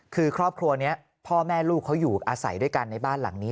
คือครอบครัวนี้พ่อแม่ลูกเขาอยู่อาศัยด้วยกันในบ้านหลังนี้